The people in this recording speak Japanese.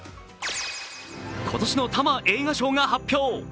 今年のＴＡＭＡ映画賞が発表。